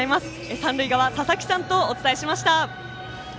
三塁側、ささきさんとお伝えしました。